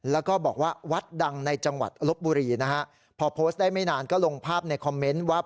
แล้วก็บอกว่าวัดดังในจังหวัดลบบุรีนะฮะพอโพสต์ได้ไม่นานก็ลงภาพในคอมเมนต์ว่า